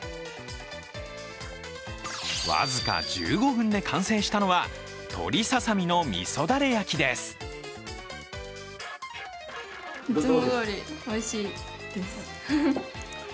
僅か１５分で完成したのは鳥ささみの味噌だれ焼きです。